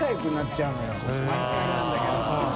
毎回なんだけど。